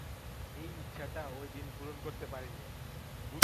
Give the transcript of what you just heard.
এই ইচ্ছাটা ওই দিন পূরণ করতে পারিনি।